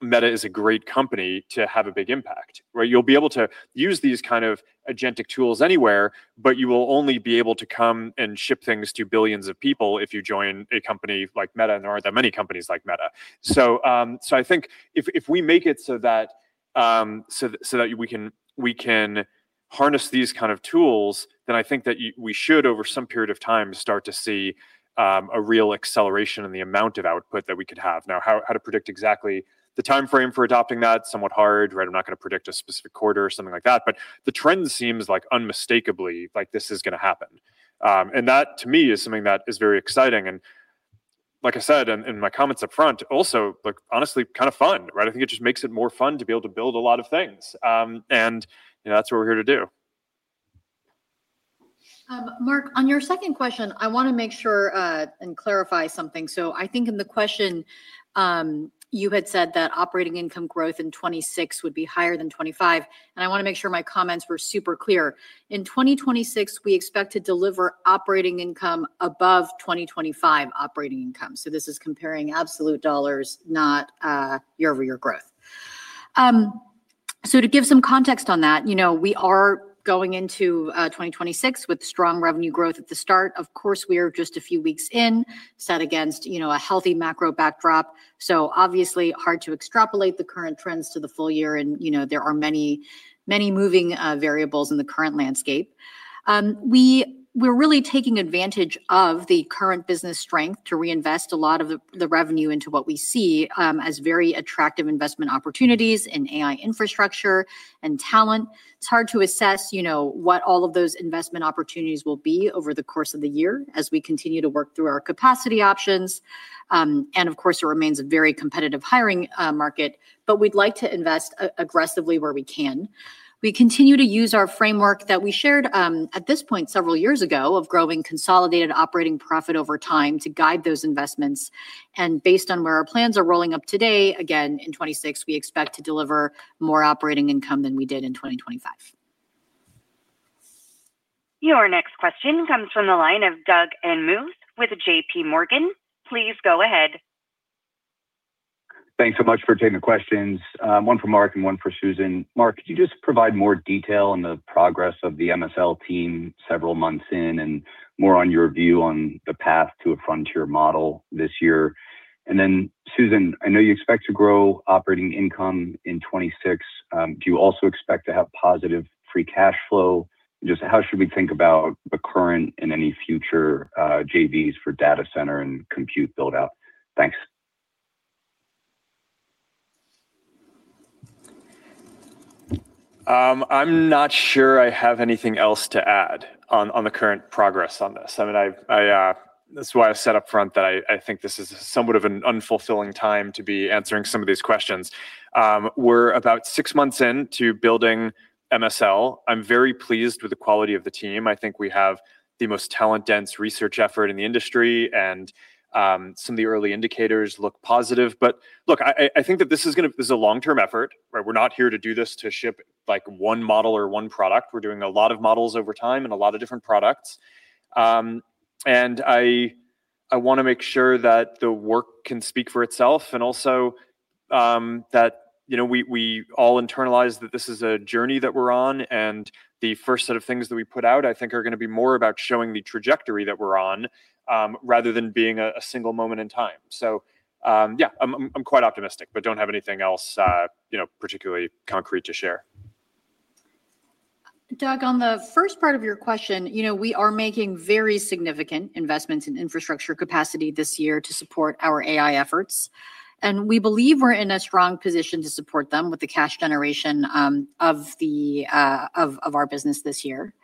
S3: Meta is a great company to have a big impact, right? You'll be able to use these kind of agentic tools anywhere, but you will only be able to come and ship things to billions of people if you join a company like Meta, and there aren't that many companies like Meta. So, I think if we make it so that we can harness these kind of tools, then I think that we should, over some period of time, start to see a real acceleration in the amount of output that we could have. Now, how to predict exactly the time frame for adopting that, somewhat hard, right? I'm not going to predict a specific quarter or something like that, but the trend seems like unmistakably like this is going to happen. And that, to me, is something that is very exciting and, like I said in my comments up front, also, like, honestly, kind of fun, right? I think it just makes it more fun to be able to build a lot of things. And, you know, that's what we're here to do.
S4: Mark, on your second question, I want to make sure and clarify something. So I think in the question, you had said that operating income growth in 2026 would be higher than 2025, and I want to make sure my comments were super clear. In 2026, we expect to deliver operating income above 2025 operating income. So this is comparing absolute dollars, not year-over-year growth. So to give some context on that, you know, we are going into 2026 with strong revenue growth at the start. Of course, we are just a few weeks in, set against, you know, a healthy macro backdrop, so obviously hard to extrapolate the current trends to the full year and, you know, there are many, many moving variables in the current landscape. We're really taking advantage of the current business strength to reinvest a lot of the revenue into what we see as very attractive investment opportunities in AI infrastructure and talent. It's hard to assess, you know, what all of those investment opportunities will be over the course of the year as we continue to work through our capacity options. And of course, it remains a very competitive hiring market, but we'd like to invest aggressively where we can. We continue to use our framework that we shared at this point, several years ago, of growing consolidated operating profit over time to guide those investments. Based on where our plans are rolling up today, again, in 2026, we expect to deliver more operating income than we did in 2025.
S1: Your next question comes from the line of Doug Anmuth with JPMorgan. Please go ahead.
S8: Thanks so much for taking the questions. One for Mark and one for Susan. Mark, could you just provide more detail on the progress of the MSL team several months in, and more on your view on the path to a frontier model this year? And then, Susan, I know you expect to grow operating income in 2026. Do you also expect to have positive free cash flow? Just how should we think about the current and any future, JVs for data center and compute build-out? Thanks. ...
S3: I'm not sure I have anything else to add on the current progress on this. I mean, that's why I said up front that I think this is somewhat of an unfulfilling time to be answering some of these questions. We're about six months in to building MSL. I'm very pleased with the quality of the team. I think we have the most talent-dense research effort in the industry, and some of the early indicators look positive. But look, I think that this is gonna—this is a long-term effort, right? We're not here to do this to ship, like, one model or one product. We're doing a lot of models over time and a lot of different products. And I wanna make sure that the work can speak for itself, and also that you know we all internalize that this is a journey that we're on, and the first set of things that we put out, I think, are gonna be more about showing the trajectory that we're on, rather than being a single moment in time. So, yeah, I'm quite optimistic, but don't have anything else, you know, particularly concrete to share.
S4: Doug, on the first part of your question, you know, we are making very significant investments in infrastructure capacity this year to support our AI efforts, and we believe we're in a strong position to support them with the cash generation of our business this year.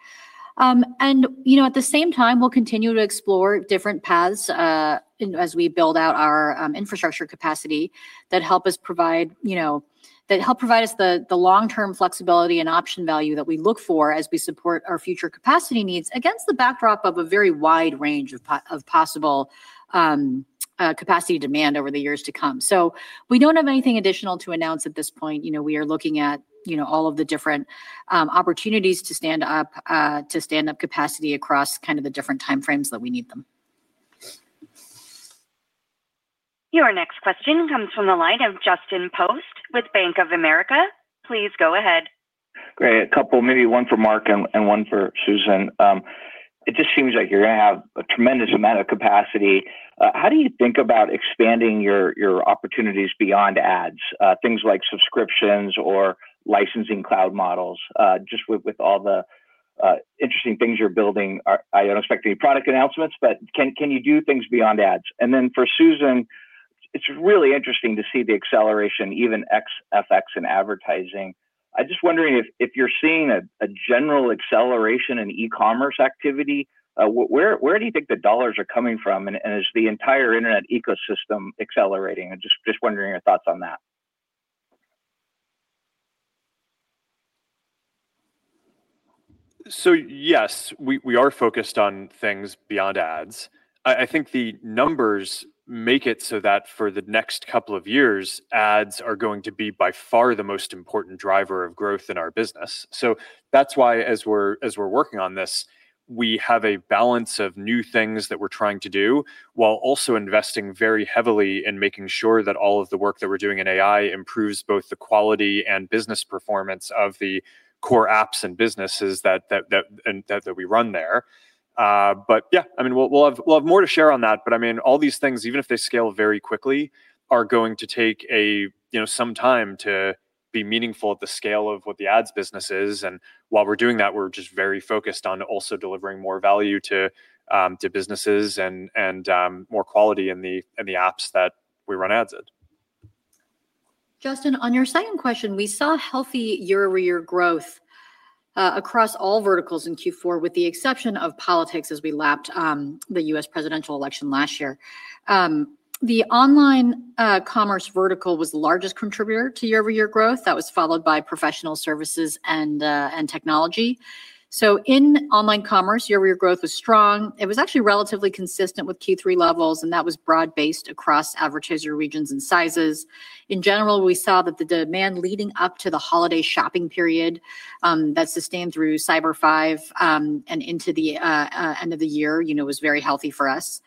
S4: And, you know, at the same time, we'll continue to explore different paths, as we build out our infrastructure capacity that help us provide, you know, that help provide us the long-term flexibility and option value that we look for as we support our future capacity needs against the backdrop of a very wide range of possible capacity demand over the years to come. So we don't have anything additional to announce at this point. You know, we are looking at, you know, all of the different opportunities to stand up capacity across kind of the different time frames that we need them.
S1: Your next question comes from the line of Justin Post with Bank of America. Please go ahead.
S9: Great. A couple, maybe one for Mark and one for Susan. It just seems like you're gonna have a tremendous amount of capacity. How do you think about expanding your opportunities beyond ads? Things like subscriptions or licensing cloud models, just with all the interesting things you're building. I don't expect any product announcements, but can you do things beyond ads? And then for Susan, it's really interesting to see the acceleration, even ex-FX and advertising. I'm just wondering if you're seeing a general acceleration in e-commerce activity. Where do you think the dollars are coming from, and is the entire internet ecosystem accelerating? I'm just wondering your thoughts on that.
S3: So yes, we are focused on things beyond ads. I think the numbers make it so that for the next couple of years, ads are going to be by far the most important driver of growth in our business. So that's why as we're working on this, we have a balance of new things that we're trying to do, while also investing very heavily in making sure that all of the work that we're doing in AI improves both the quality and business performance of the core apps and businesses that we run there. Yeah, I mean, we'll have more to share on that, but I mean, all these things, even if they scale very quickly, are going to take, you know, some time to be meaningful at the scale of what the ads business is. And while we're doing that, we're just very focused on also delivering more value to businesses and more quality in the apps that we run ads in.
S4: Justin, on your second question, we saw healthy year-over-year growth across all verticals in Q4, with the exception of politics as we lapped the U.S. presidential election last year. The online commerce vertical was the largest contributor to year-over-year growth. That was followed by professional services and technology. So in online commerce, year-over-year growth was strong. It was actually relatively consistent with Q3 levels, and that was broad-based across advertiser regions and sizes. In general, we saw that the demand leading up to the holiday shopping period that sustained through Cyber Five and into the end of the year, you know, was very healthy for us.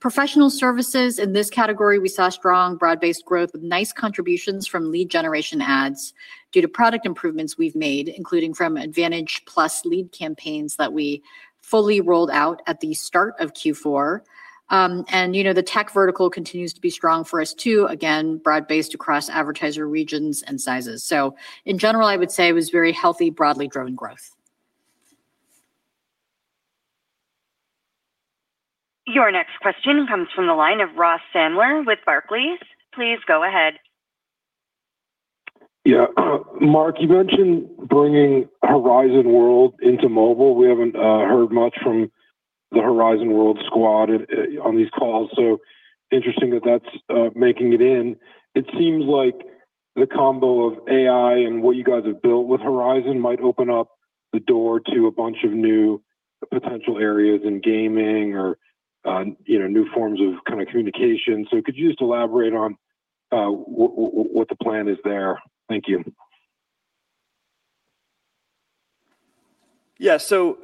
S4: Professional services, in this category, we saw strong, broad-based growth with nice contributions from lead generation ads due to product improvements we've made, including from Advantage+ lead campaigns that we fully rolled out at the start of Q4. And, you know, the tech vertical continues to be strong for us, too. Again, broad-based across advertiser regions and sizes. So in general, I would say it was very healthy, broadly driven growth.
S1: Your next question comes from the line of Ross Sandler with Barclays. Please go ahead.
S10: Yeah. Mark, you mentioned bringing Horizon Worlds into mobile. We haven't heard much from the Horizon Worlds squad on these calls, so interesting that that's making it in. It seems like the combo of AI and what you guys have built with Horizon might open up the door to a bunch of new potential areas in gaming or, you know, new forms of kind of communication. So could you just elaborate on what the plan is there? Thank you.
S3: Yeah. So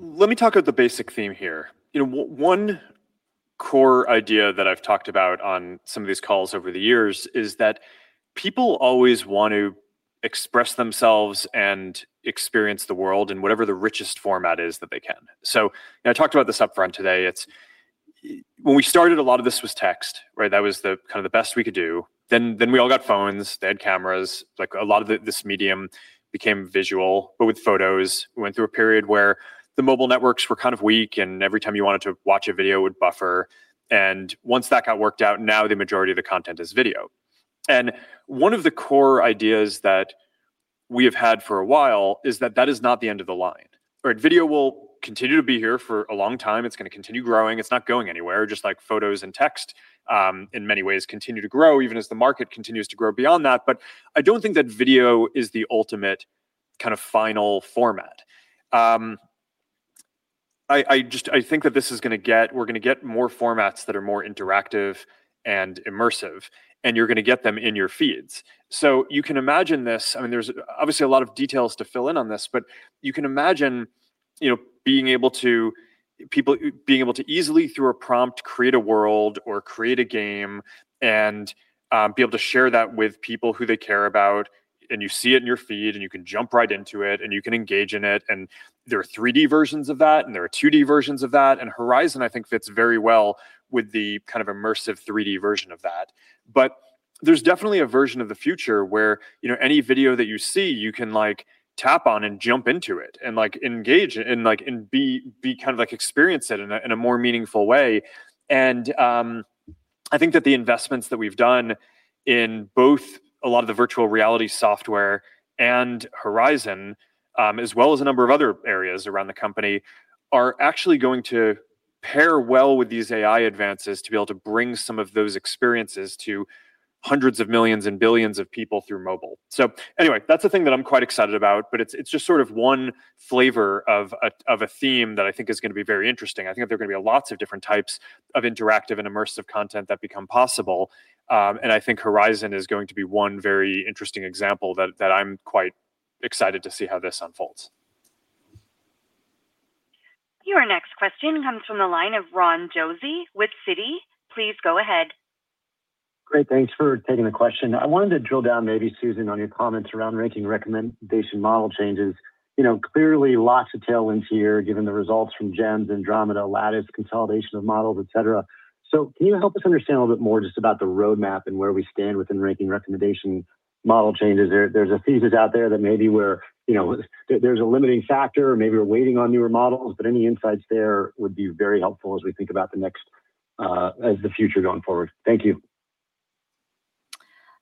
S3: let me talk about the basic theme here. You know, one core idea that I've talked about on some of these calls over the years is that people always want to express themselves and experience the world in whatever the richest format is that they can. So I talked about this upfront today. It's when we started, a lot of this was text, right? That was the kind of the best we could do. Then we all got phones. They had cameras. Like, a lot of this medium became visual, but with photos. We went through a period where the mobile networks were kind of weak, and every time you wanted to watch a video, it would buffer. And once that got worked out, now the majority of the content is video. And one of the core ideas that-... We have had for a while, is that that is not the end of the line. All right, video will continue to be here for a long time. It's going to continue growing. It's not going anywhere, just like photos and text, in many ways, continue to grow even as the market continues to grow beyond that. But I don't think that video is the ultimate kind of final format. I just think that this is gonna get we're gonna get more formats that are more interactive and immersive, and you're gonna get them in your feeds. So you can imagine this, I mean, there's obviously a lot of details to fill in on this, but you can imagine, you know, being able to, people being able to easily, through a prompt, create a world or create a game and, be able to share that with people who they care about, and you see it in your feed, and you can jump right into it, and you can engage in it. And there are 3D versions of that, and there are 2D versions of that, and Horizon, I think, fits very well with the kind of immersive 3D version of that. But there's definitely a version of the future where, you know, any video that you see, you can, like, tap on and jump into it and, like, engage and, like, and be, be kind of like experience it in a, in a more meaningful way. I think that the investments that we've done in both a lot of the virtual reality software and Horizon, as well as a number of other areas around the company, are actually going to pair well with these AI advances to be able to bring some of those experiences to hundreds of millions and billions of people through mobile. So anyway, that's the thing that I'm quite excited about, but it's, it's just sort of one flavor of a, of a theme that I think is going to be very interesting. I think there are going to be lots of different types of interactive and immersive content that become possible. I think Horizon is going to be one very interesting example that, that I'm quite excited to see how this unfolds.
S1: Your next question comes from the line of Ron Josey with Citi. Please go ahead.
S11: Great. Thanks for taking the question. I wanted to drill down, maybe, Susan, on your comments around ranking recommendation model changes. You know, clearly, lots of tailwinds here, given the results from GEMs, Andromeda, Lattice, consolidation of models, et cetera. So can you help us understand a little bit more just about the roadmap and where we stand within ranking recommendation model changes? There, there's a thesis out there that maybe we're, you know, there's a limiting factor, or maybe we're waiting on newer models, but any insights there would be very helpful as we think about the next, as the future going forward. Thank you.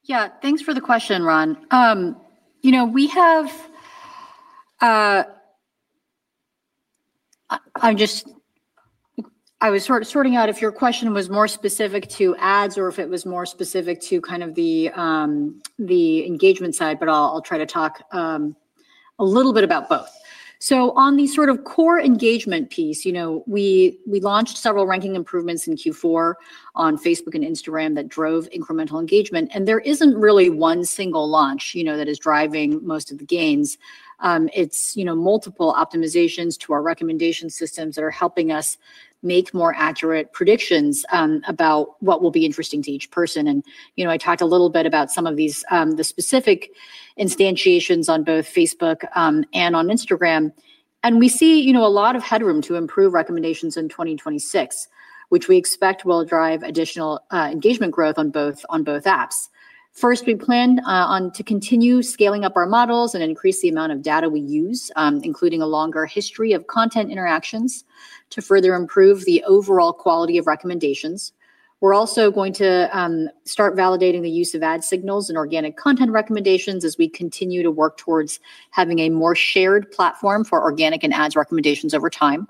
S4: Yeah, thanks for the question, Ron. I'm just sorting out if your question was more specific to ads or if it was more specific to kind of the engagement side, but I'll try to talk a little bit about both. So on the sort of core engagement piece, you know, we launched several ranking improvements in Q4 on Facebook and Instagram that drove incremental engagement, and there isn't really one single launch, you know, that is driving most of the gains. It's, you know, multiple optimizations to our recommendation systems that are helping us make more accurate predictions about what will be interesting to each person. And, you know, I talked a little bit about some of these, the specific instantiations on both Facebook and on Instagram. We see, you know, a lot of headroom to improve recommendations in 2026, which we expect will drive additional engagement growth on both apps. First, we plan on to continue scaling up our models and increase the amount of data we use, including a longer history of content interactions, to further improve the overall quality of recommendations. We're also going to start validating the use of ad signals and organic content recommendations as we continue to work towards having a more shared platform for organic and ads recommendations over time.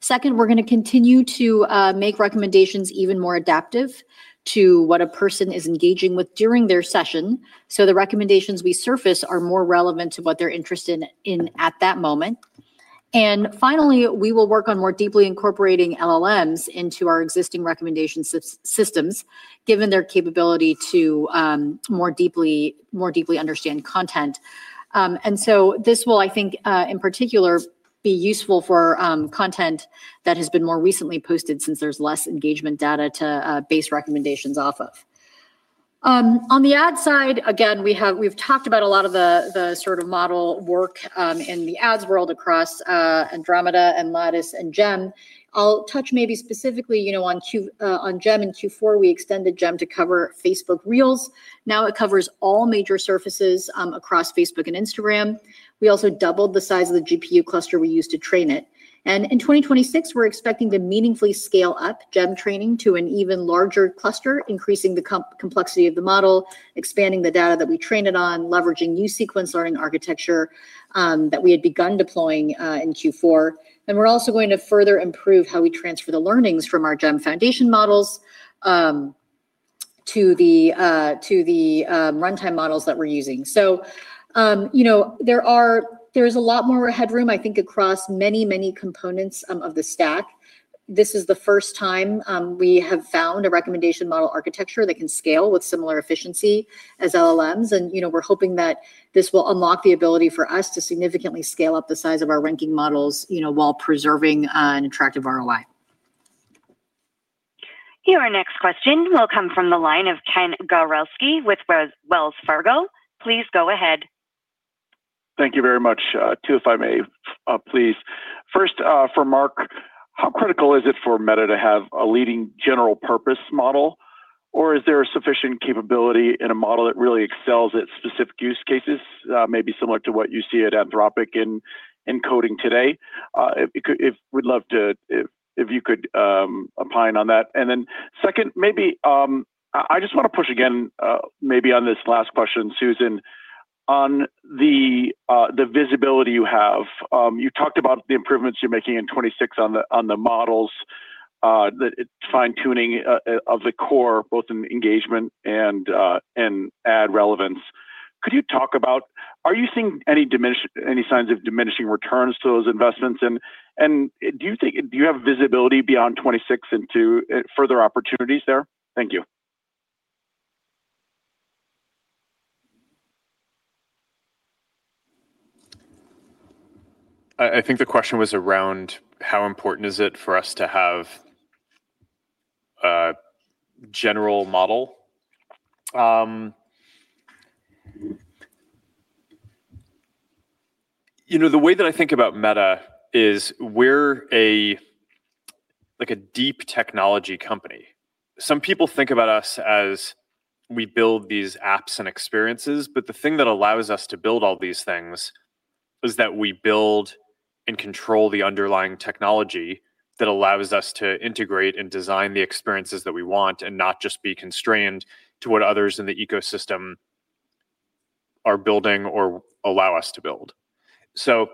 S4: Second, we're gonna continue to make recommendations even more adaptive to what a person is engaging with during their session, so the recommendations we surface are more relevant to what they're interested in at that moment. Finally, we will work on more deeply incorporating LLMs into our existing recommendation systems, given their capability to more deeply understand content. And so this will, I think, in particular, be useful for content that has been more recently posted since there's less engagement data to base recommendations off of. On the ad side, again, we've talked about a lot of the sort of model work in the ads world across Andromeda and Lattice and GEM. I'll touch maybe specifically, you know, on GEM in Q4. We extended GEM to cover Facebook Reels. Now it covers all major surfaces across Facebook and Instagram. We also doubled the size of the GPU cluster we use to train it. In 2026, we're expecting to meaningfully scale up GEM training to an even larger cluster, increasing the complexity of the model, expanding the data that we train it on, leveraging new sequence learning architecture that we had begun deploying in Q4. And we're also going to further improve how we transfer the learnings from our GEM foundation models to the runtime models that we're using. So, you know, there's a lot more headroom, I think, across many, many components of the stack. This is the first time we have found a recommendation model architecture that can scale with similar efficiency as LLMs, and, you know, we're hoping that this will unlock the ability for us to significantly scale up the size of our ranking models, you know, while preserving an attractive ROI.
S1: Your next question will come from the line of Ken Gawrelski with Wells Fargo. Please go ahead.
S12: Thank you very much. Two, if I may, please. First, for Mark, how critical is it for Meta to have a leading general-purpose model, or is there a sufficient capability in a model that really excels at specific use cases, maybe similar to what you see at Anthropic in coding today? If you could opine on that. And then second, maybe, I just want to push again, maybe on this last question, Susan. ... on the, the visibility you have, you talked about the improvements you're making in 2026 on the, on the models, the fine-tuning, of the core, both in engagement and, and ad relevance. Could you talk about, are you seeing any signs of diminishing returns to those investments? And, and do you think, do you have visibility beyond 2026 into, further opportunities there? Thank you.
S3: I, I think the question was around how important is it for us to have a general model? You know, the way that I think about Meta is we're a, like, a deep technology company. Some people think about us as we build these apps and experiences, but the thing that allows us to build all these things is that we build and control the underlying technology that allows us to integrate and design the experiences that we want, and not just be constrained to what others in the ecosystem are building or allow us to build. So,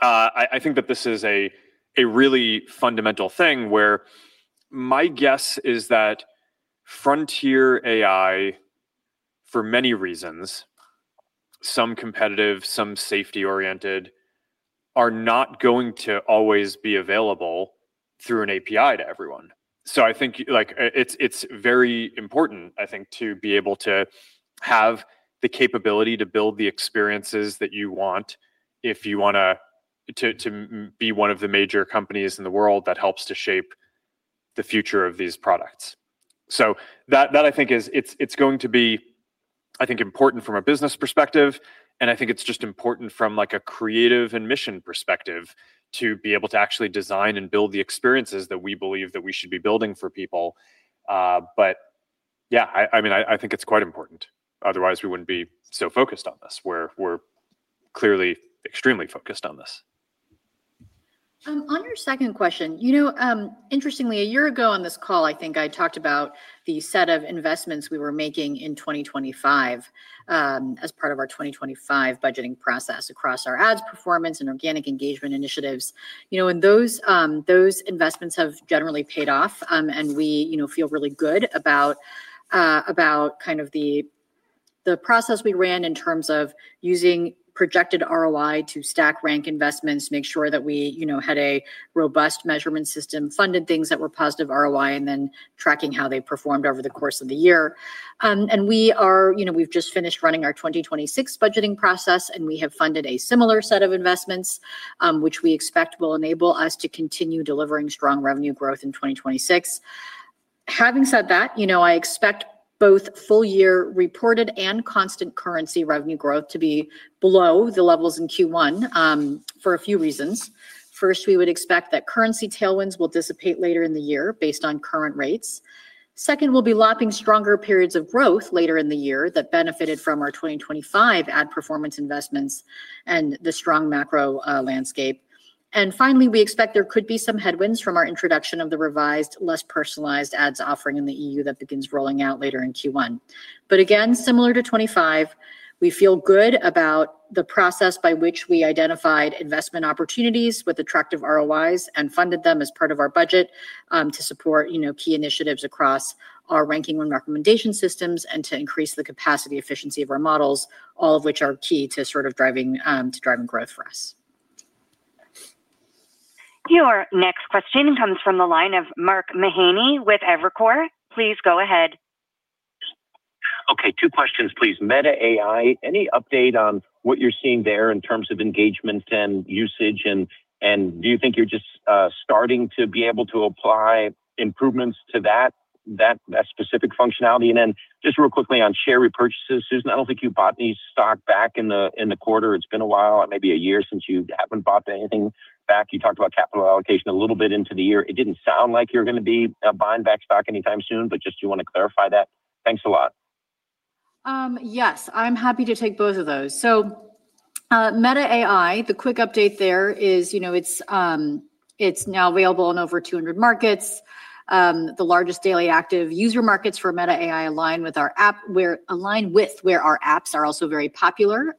S3: I, I think that this is a, a really fundamental thing, where my guess is that frontier AI, for many reasons, some competitive, some safety-oriented, are not going to always be available through an API to everyone. So I think, like, it's very important, I think, to be able to have the capability to build the experiences that you want if you wanna to, to be one of the major companies in the world that helps to shape the future of these products. So that, that I think is... It's going to be, I think, important from a business perspective, and I think it's just important from, like, a creative and mission perspective, to be able to actually design and build the experiences that we believe that we should be building for people. But yeah, I mean, I think it's quite important, otherwise we wouldn't be so focused on this, where we're clearly extremely focused on this.
S4: You know, interestingly, a year ago on this call, I think I talked about the set of investments we were making in 2025, as part of our 2025 budgeting process across our ads performance and organic engagement initiatives. You know, and those, those investments have generally paid off, and we, you know, feel really good about, about kind of the, the process we ran in terms of using projected ROI to stack rank investments. Make sure that we, you know, had a robust measurement system, funded things that were positive ROI, and then tracking how they performed over the course of the year. And we are, you know, we've just finished running our 2026 budgeting process, and we have funded a similar set of investments, which we expect will enable us to continue delivering strong revenue growth in 2026. Having said that, you know, I expect both full year reported and constant currency revenue growth to be below the levels in Q1, for a few reasons. First, we would expect that currency tailwinds will dissipate later in the year based on current rates. Second, we'll be lapping stronger periods of growth later in the year that benefited from our 2025 ad performance investments and the strong macro landscape. And finally, we expect there could be some headwinds from our introduction of the revised, less personalized ads offering in the EU that begins rolling out later in Q1. But again, similar to 2025, we feel good about the process by which we identified investment opportunities with attractive ROIs and funded them as part of our budget, to support, you know, key initiatives across our ranking and recommendation systems, and to increase the capacity efficiency of our models, all of which are key to sort of driving, to driving growth for us.
S1: Your next question comes from the line of Mark Mahaney with Evercore. Please go ahead.
S13: Okay, two questions, please. Meta AI, any update on what you're seeing there in terms of engagement and usage? And do you think you're just starting to be able to apply improvements to that specific functionality? And then just real quickly on share repurchases, Susan, I don't think you bought any stock back in the quarter. It's been a while, maybe a year, since you haven't bought anything back. You talked about capital allocation a little bit into the year. It didn't sound like you're gonna be buying back stock anytime soon, but just do you want to clarify that? Thanks a lot.
S4: Yes, I'm happy to take both of those. So, Meta AI, the quick update there is, you know, it's now available in over 200 markets. The largest daily active user markets for Meta AI align with where our apps are also very popular.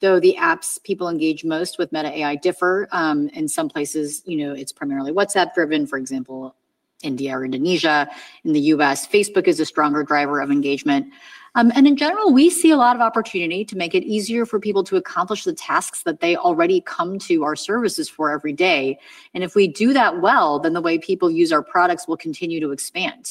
S4: Though the apps people engage most with Meta AI differ, in some places, you know, it's primarily WhatsApp driven, for example, India or Indonesia. In the U.S., Facebook is a stronger driver of engagement. And in general, we see a lot of opportunity to make it easier for people to accomplish the tasks that they already come to our services for every day, and if we do that well, then the way people use our products will continue to expand.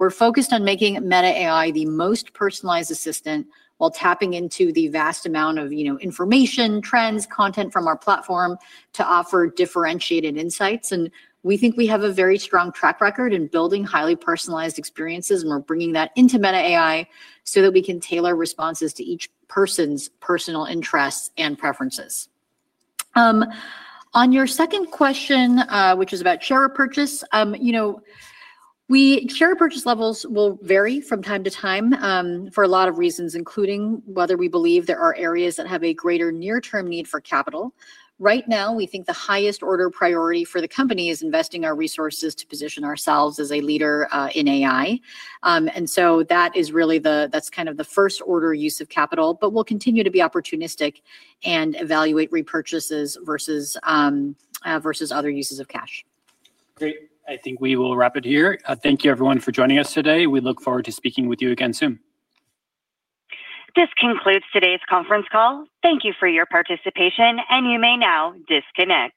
S4: We're focused on making Meta AI the most personalized assistant, while tapping into the vast amount of, you know, information, trends, content from our platform, to offer differentiated insights. We think we have a very strong track record in building highly personalized experiences, and we're bringing that into Meta AI so that we can tailor responses to each person's personal interests and preferences. On your second question, which is about share repurchases, you know, share repurchase levels will vary from time to time, for a lot of reasons, including whether we believe there are areas that have a greater near-term need for capital. Right now, we think the highest order priority for the company is investing our resources to position ourselves as a leader in AI. And so that is really that's kind of the first order use of capital, but we'll continue to be opportunistic and evaluate repurchases versus other uses of cash.
S2: Great! I think we will wrap it here. Thank you everyone for joining us today. We look forward to speaking with you again soon.
S1: This concludes today's conference call. Thank you for your participation, and you may now disconnect.